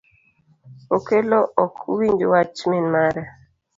Okelo ok winj wach min mare